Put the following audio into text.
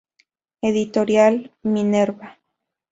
Editorial Minerva.